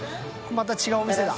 また違うお店だ。